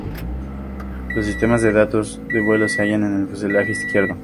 Los sistemas de datos de vuelo se hallan en el fuselaje izquierdo.